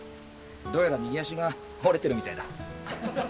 どうやら右足が折れてるみたいだ。